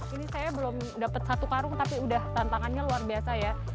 ini saya belum dapat satu karung tapi udah tantangannya luar biasa ya